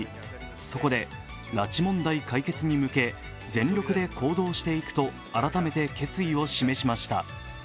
そこで拉致問題解決に向け全力で行動していくと改めて決意を示しました。